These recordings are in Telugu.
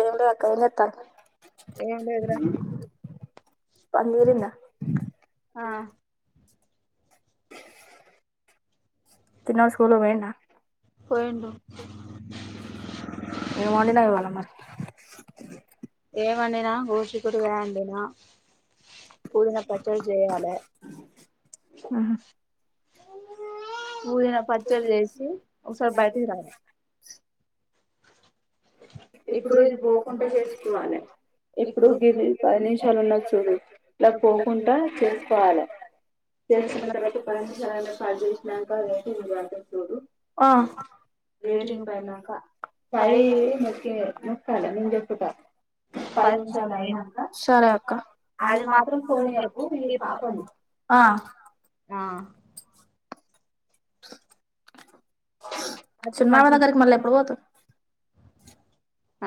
ఏంటిది అక్క ఏం చెత్తనవ్ ఏం లేదురా పని తిరిందా ఆ చిన్నోడు స్కూలుకు పోయిండా పోయిండు ఏం వండినవ్ ఇవాల మరి ఏం వండినా గోడ్ చిక్కుడుగాయ వండినా పుదినా పచ్చడి జేయాలే ఉహు. పూదిన పచ్చడ్జేసి ఒక్సారి బయటికి రారా ఇప్పుడు ఇది బోకుంటే జేసుకోవాలే ఇప్పుడు గిదీ పది నిమిషాలున్నది చూడు ఇలా పోకుంటా చేస్కోవాలే చేస్కున్న చేసుకున్న తర్వాత పది నిముషాలైన పదీ నాకా వేట రేటింగ్ వివాదం సూడు ఫైవ్ ఆ క్కే వస్తాలే నేంజెప్పుతా పది నిమిషాలు సరే అక్క అది మాత్రం ఆఁ ఆఁ అసలు మంచి చిన్నావనగర్క్ మల్లెప్పుడు పోతావ్ ఆ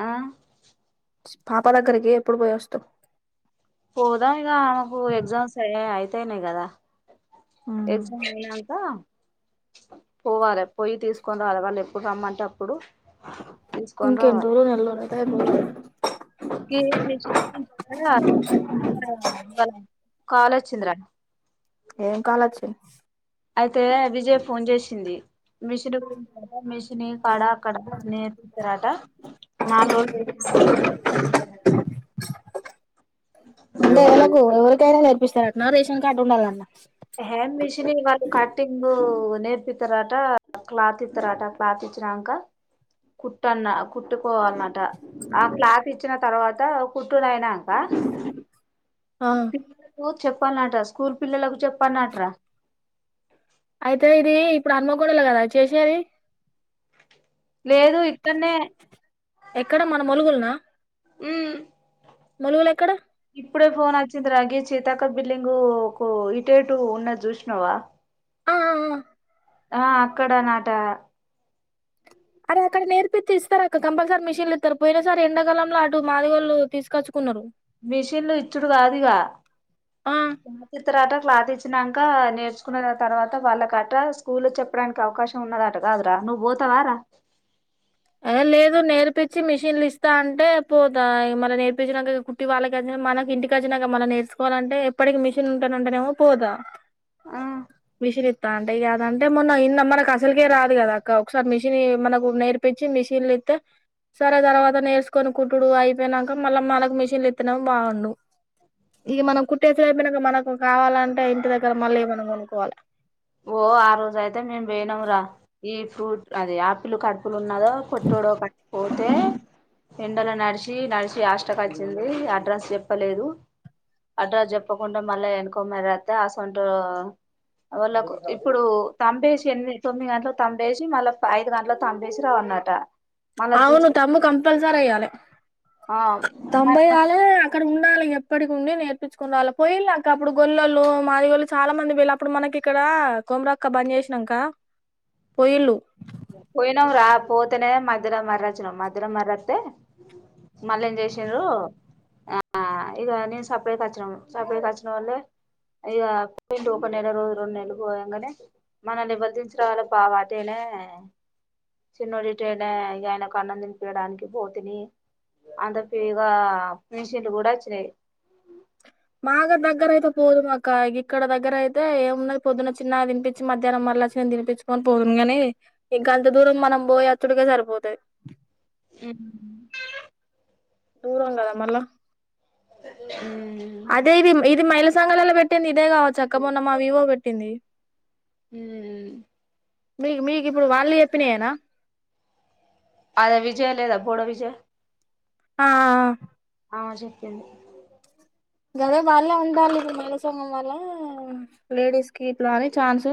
పాప దగ్గర్కీ ఎప్పుడు పొయ్యొస్తవ్ పోతా ఇగా ఆమెకు ఎగ్జామ్స్ అయితానాయి కదా ఎగ్జామ్ ఐనాకా పోవాలే పోయి తీసుకొని రాలే వాల్లెప్పుడ్రమ్మంటే అప్పుడు తీసుకొని ఇంకెండ్రోలు నెల్లూరైతాయ్ బోతాయ్ కే ఫ్రిజ్ లో మైతాయ్ ఆడాయ్ ఆడాయ్ కాల్ లొచ్చిందిరా ఏం కాల్ వచ్చింది ఐతే విజయ ఫోన్ జేసిందీ మిషన్ కుట్టే కాడ మిషనీ కాడ అక్కడ నేర్పిస్తరట నాల్రోజులు అంటే రోజులు ఎవలకూ ఎవరికైనా నేర్పిస్తారటనా రేషన్ కార్డు ఉండాల [unintelligible] హ్యాండ్ మిషనింగ్ వాళ్ళు కటింగూ నేర్పిత్తరటా క్లాత్ ఇత్తరట క్లాత్ ఇచినాంక కుట్టన్న కుట్టుకోవాల్నట ఆ క్లాత్ ఇచ్చిన తర్వాతా కుట్టునైనా ఆ ఆ పిల్లలకూ చెప్పాల్నట స్కూల్ పిల్లలకు చెప్ పన్నాట్రా ఐతే ఇదీ ఇప్పుడు అమ్మకోడలు కదా చేసేదీ లేదూ ఇక్కడనే ఎక్కడ మన ములుగులనా ఊఁ ములుగులు ఎక్కడ ఇప్పుడే ఫోనొచ్చింది రా గ్గిచ్ సీతక్క బిల్డింగూ కూ ఇటు ఇటూ ఉన్నది జూసినవా ఆ ఆ ఆ అక్కడ నాట అరే అక్కడ నేర్పి తీస్ ఇస్తారు అక్కడ కంపల్సరీ మిషన్లు ఇస్తారు పోయిన సార్ ఎండాకాలంలో అటు మాదిగళ్ళు తీసుకొచ్చుకున్నారు మిషిన్ లు ఇచ్చుడు కాదు ఇగా ఆ క్లాత్ ఇతరాట క్లాత్ ఇచ్చ నంక నేర్చుకున్న తర్వాత వాళ్ళకట స్కూల్ చెప్పడానికి అవకాశం ఉన్నదట కాదురా నువ్వు పోత వార ఏ లేదు నేర్పి వచ్చి మిషన్లు ఇస్తా అంటే పోతా ఈ మల్ల నేర్పించినాక కుట్టి వాళ్ళకిచ్చ మనకి ఇంటికిచ్చినా మ నేర్ తీసుకోవాలంటే ఎప్పటికి మిషన్ ఉంటానంటేనేమో పోతా ఆ మిషన్ ఇ తా అంటే ఇగ అది అంటే మొన్న [unintelligible] మనకు అసలుకే రాదు కదా అక్క ఒకసారి మిషన్ మనకు నేర్ పెచ్చి మిషిన్ ఇతే సరే తర్వాత నేరస్ కొని కుట్డు అయిపోయినాక మళ్ళ మనకు మిషన్ ఇతనెమో బాగుండు ఇ మనం కుట్టేస [unintelligible] మనకు కావాలంటే ఇంటి దగ్గర మళ్ళీ మనం కొనుకోవాలి ఓ ఆ రోజు అయితే మేము పినాం రా ఈ ఫ్రూట్ అది ఆపిల్ కడుపులు ఉన్ న్నదో పట్టుడో కట్టి పోతే ఎండలో నడిచి నడిచి హస్టక్ వచ్చింది అడ్రస్ చెప్పలేదు అడ్రాస్ చెప్పకుండా మళ్ళా వెనుకొమస్త అసంట వాళ్ళ ఇప్పుడు తంబేసి ఎన్ని తొమ్మిది గంటల తంపేసి మళ్ళా ఐదు గంటలు తంపేసి రావ అన్నట అవును తమ్ము కంపల్సర అయాలి ఆ తంబ మరి అయ్యాల అక్కడ ఉండాలి ఎప్పటికి ఉండి నేర్పించుకుని రావాలి పయ్యిలాక అప్పుడు గల్లలు మాదిగొళ్ళు చాలా మంది వేళి అప్పు మనకి ఇ ఇక్కడ కొమరాక్క బంద చేసినాంక పోయినా రా పోతేనే మధ్యలో మర్రచ్చిన మధ్యలో మర్రస్తే మళ్ళా ఏం చేసారు ఆ ఇది నను సప్పడ కా సపడ కాచన వల్లే ఇ ఒక నెల రోజు రెండు నెల పోయానే మనల్ని బర్ధించ రాాల బవాదేనే చిన్నోడిటనే ఆయనకు ఆనందినిపయడానికి భతిని అంత పగా మిషన్లు కూడా వచ్చినాయి మాగ దగ్గర అయిత పోదు మగా ఇ ఇక్కడ దగ్గర అయితే ఏమున్నది పొద్దున్న చిన్న తిపించి మధ్యాహ్నం మరళ వచ్చి నే తినిపించుకొని పోద్దునుగాని ఇంకాంత దూరం మనం పోయి అతుడుగా సరిపోతుది ఆ దూరం కదా మళ్ళా అ అదే ఇది ఇది మైల సంంగలలో పెట్టింది ఇదే కావచ్చు అక్కపోన్న మా వివో పెట్టింది మీకు మీకు ఇప్పుడు వాళ్ళు చెప్పినాయేనా అదే విజయ లేదా బోడ విజయ్ ఆ చెప్పింది గర వాళ్ళ్య ఉంటాల కసమం వల్ల లేడీస్ కి ఇట్లా అని ఛాన్స్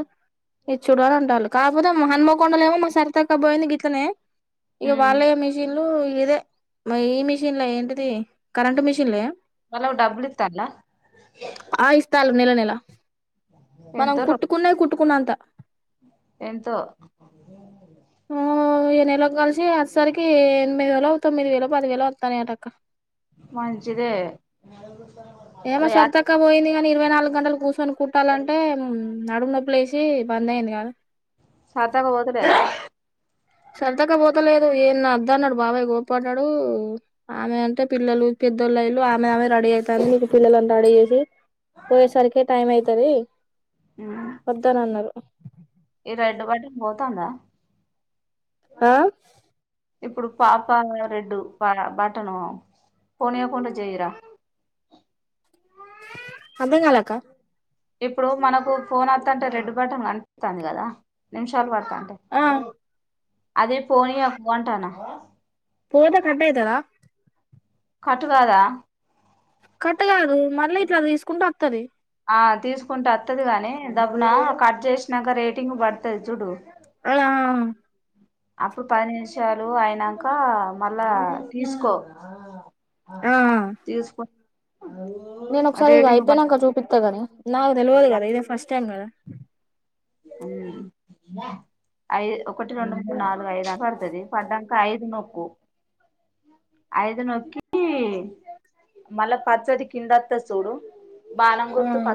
ఇచ్చుడు అని అంటారు కాకపోతే మా హన్మకొండలే ఏమో మా సరి తక్క పోయింది గితనే ఇక ఉమ్ వాల్య మిషిన్ అలు ఇదే ఈ మిషన్లే ఏంటిది కరెంటు మిషన్లే వాళ్ళకు డబ్బులు ఇస్తాలా ఆ ఇస్తాలు నెల నెల మనం ఎంతో కుట్టుకున్న కుట్టుకున్నంత ఎంతో ఈ నెలకి కలిసి అదిసరికి ఎనిమిది వేలు తొమ్మిది వేలు పది వేలు వస్తానే అటక్క మంచిదే ఏమ అలా సర్తాక పోయిని కాని ఇరవై నాలుగు గంటలు కూర్చొని కుట్టాలంటే నడుము నొప్పులు వేసి బంద అయ్యంది కదా తాటాకు పోత లేదా సరదాగా పోతలేదు ఏ అద్ద అన్నాడు బాబాయ్ గప్పన్నాడు ఆమె అంటే పిల్లలు ఇద్దరులు ఆమె ఆమె రెడీ అవుతా మీ పిల్ల అ రడీ చేసి పోయ సార్కే టైమ్ అయితే దీ ఈ రెడ్ బటన్ బతుందా ఆ ఇప్పుడు పాప రెడ్డు బ బాట్టను పోనియా కొంట చేయరా అర్థం కలేదు అక్క ఇప్పుడు మనకు ఫోన్ వత్తంటే రెడ్ బటన్ కనిపితుంది కదా నిమిషాలు పడు ంట ఆ అదే పోనీ పోంటానా పోతే కట్ అయేటదా కటుకదా కట్ట కాదు మళ్ళీ ఇట్లా అ తీసుకుంటూ అతది ఆ తీసుకుంటే వస్తుది కాగాని దడబ్బున కట్ చేసినాక రేటింగ్ పడుతుది చూడు ఆ అప్పుడు పది నిమిషాలు అయినాంక మళ్ళా తీసుకో ఆ తీస్కోన్ నేను ఒకసారి ఇది అయిపోయినాంక చూపిత్తా గాని హ్మ్ ఐద్ ఒకటి రెండు మూడు నాలుగు ఐదు అని పడతది పడ్డాంక ఐదు నొక్కు ఐదు నొక్కి మళ్ల పచ్చది కింద వత్తది సూడు బాణం ఆ గుర్తు ప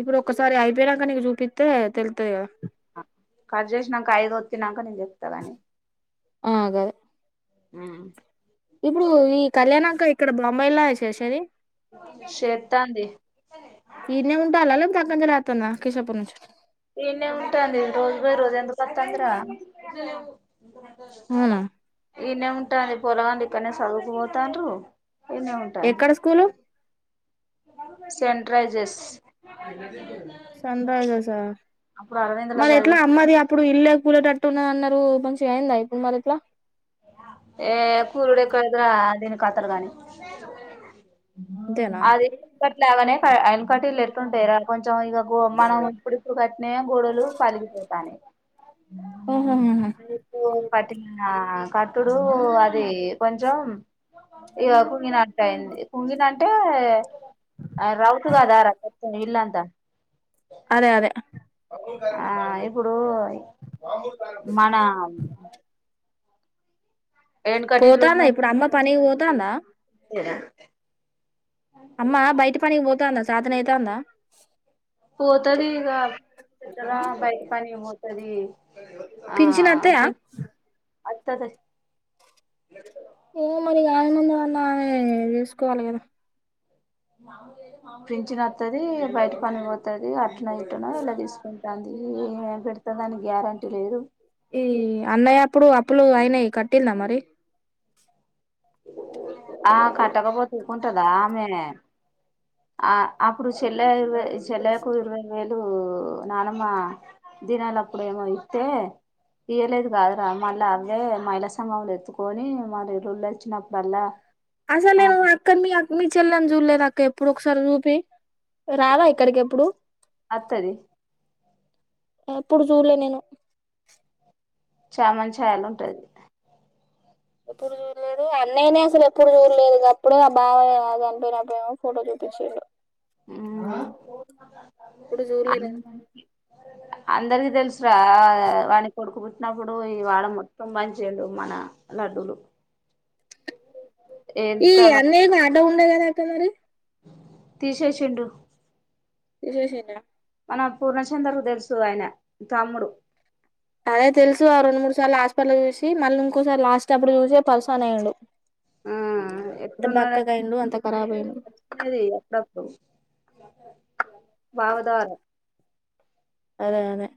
ఇప్పుడు ఒక్కసారి అయిపోయినాంక నీకు చూపిత్తే తెలుత్తది గదా కట్ చేసినాంక ఐదు వత్తినాంక నీకు చెప్తా గాని ఆ గదే ఉమ్ ఇప్పుడు ఈ కళ్యాణ్ అంకుల్ ఇక్కడ బొంబాయ్ లోన చేసేది. షేత్తంది అన్నం తిని వత్తన్నా కృష్ణా పూర్ నుంచి ఈన్నే ఉంటాంది రోజు పోయి రోజు ఎందుకొత్తంది రా అవునా ఈన్నే ఉంటాంది పొరగాండ్లు ఇక్కన్నే చదువుకు పోతాండ్రు ఈన్నే ఉంటాది ఎక్కడ స్కూలు సెంట్రైజెస్ సన్ రైజర్సా అప్పుడు అరవిందులో మరి ఎట్లా చదివి అమ్మది అప్పుడు ఇల్లే కూలేటట్టున్నది అన్నార్ రు మంచిగా అయిందా ఇప్పుడు మరి ఇట్లా ఏ కూలుడు ఎక్కడైతది ఆళ్ళు ఎందుకు వత్తారు గాని అంతేనా అది ఎప్పటిలాగానే ప ఎనకటిల్లు ఎట్లుంటాయి రా కొంచెం ఇగా గో మనం ఇప్పుడిప్పుడు కట్టిన్నయ్యే గోడలు పలిగిపోతాండాయి [unintelligible] ఓ కట్టిన కట్టుడు అది కొంచెం ఇగా కుంగినట్టయింది కుంగిన అంటే ఆ రౌతు గదార మొత్తం ఇల్లాంతా అదే అదే ఆ ఇప్పుడు మన వెనుకటిల్లు పోతాందా ఇప్పుడు అమ్మ పనికి పోతాందా? అడా అమ్మ బయట పనికికి పోతాందా చేతనైతాందా? పోతది ఇగ ఇక్కడ బయట పనికి పోతది. ఆ పింఛనోత్తయ్య? అత్తది ఇగ మరి ఆయనన్న ఏమన్నా చేస్కోవాలి గదా పింఛనొత్తది బయట పనికి పోతది అట్టనో ఇట్టనో ఇలా తీసుకుంటాంద్ ఈమె పెడతదని గ్యారంటీ లేదు. ఈ అన్నాయి అప్పుడు అప్పులు అయినయి కట్టిందా మరి ఆ కట్టకపోతే ఊకుంటదా ఆమె ఆ అప్పుడు చెల్లె ఇరవై చెల్లకు ఇరవై వేలు బ్బులు నానమ్మ దినాలప్పుడేమో ఇత్తే ఇయ్యలేదు కాదు రా మళ్ళా దే మహిళ సంఘం లో ఎత్తుకొని మరి రోళ్ళు వచ్చినప్పుడల్లా అసలు ఆ నేను అక్కని మీ మీ చెల్లెని చూడలేదు అక్క ఎప్పుడు ఒకసారి సూపి రాలే ఒక్కడికి ఎప్పుడు ఎప్పుడు అత్తది ఎప్పుడు చూళ్ళే నేను చామంచాయ లో ఉంటది ఎప్పుడు చూళ్ళేదు అయ్ నేనే అసలు ఎప్పుడు చూడలేదు అప్పుడే ఆ బావ చనిపోయినప్పుడేమో ఫోటో చూపించిండు మ్ ఇప్పుడు అ చూడలేదు అందరికి తెలుసు అ వాడికి కొడుకు పుట్టినప్పుడు ఈ వాడ మొత్తం పంచ్చ లు మన లడ్డూలు ఈ ఎంత మం అన్నయకి ఆటో ఉండేయి గదా అక్క మరి తీసేసిండు తిశేశిండా మన పూర్ణచంద్ర కు తెలుసు ఆయన తమ్ముడు అదే తెలుసు ఆ రెండు మూడు సార్లు హాస్పిటల్ చూసి మళ్ళీ ఇంకోసారి లాస్ట్ అప్పుడు చూసే పల్స అన్ అయ్యండు ఆ అంత ఎట్టున్నాడు బక్కగాయిండు అంత కరాబ అయిండు భవదార అదే అదే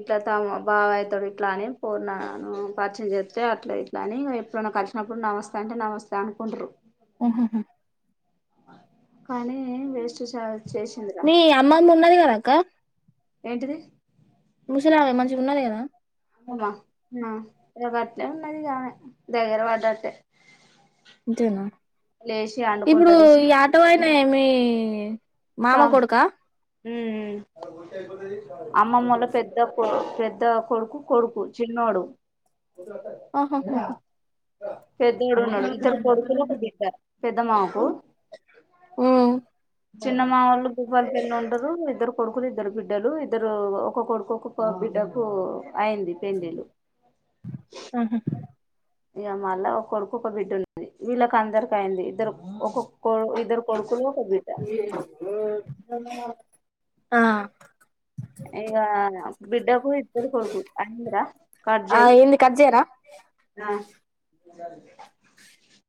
ఇట్లా తము బావ యయితడు ఇట్లా అనే పోరున నను పరిచయం చేస్తే అట్లా ఇట్లా అని ఎప్పుడైనా కలిసినప్పుడు నమస్తే అంటే నమస్తే అనుకుంటరు పనీ వేస్ట్ చేసిందిరా మీ అమ్మమ్మ ఉన్నది గదాక్క ఏంటిది ముసలావే మంచిగా ఉన్నది గదా ఆగట్లే ఉన్నది గామే దగ్గరవాడట్టే అంతేనా ఇప్పుడు అండుకుంటది ఈ ఆటోయేనా ఏమి మామ కొడుకా మ్ అమ్మమ్మోళ పెద్ద పెద్ద కొడుకు కొడుకు చిన్నోడు ఆహాహ పెద్దోడు ఉన్నాడు ఇతరు కొడుకులు ఒక బిడ్డా పెద్ద మామకు ఉ చిన్న మా వాళ్ళు భూప్పల్ పెళ్లి లో ఉండరు, ఇద్దరు కొడుకులు ఇద్దరు బిడ్డలు ఇద్దరు ఒక కొడుకు ఒక బిడ్డ కు అయింది పెళ్ళి లు ఆహా ఇగా మళ్ళా ఒక కొడుకు ఒక బిడ్డ ఉంది వీళ్ళకి అందరికయింది ఇద్దరు ఒక కొ ఇద్దరు కొడుకులు ఒక బిడ్డ ఆ ఇగా బిడ్డకు ఇద్దరు కొడుకు అఐందిరా ఆ కర్జయి ఏంది కట్ చేయరా ఆ